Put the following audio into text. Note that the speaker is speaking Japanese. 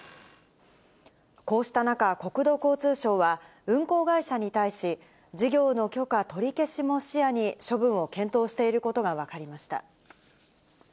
こうした中、国土交通省は、運航会社に対し、事業の許可取り消しも視野に、処分を検討していることが分かりました。